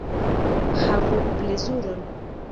Havu plezuron!